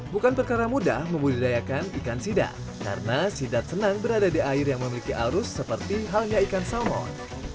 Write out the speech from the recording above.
bukan perkara mudah membudidayakan ikan sidat karena sidat senang berada di air yang memiliki arus seperti halnya ikan salmon